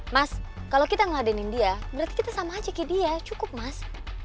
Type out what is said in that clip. mas kalau kita ngadein dia berarti kita sama aja ke dia cukup mas